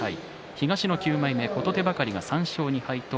東の９枚目の琴手計、３勝２敗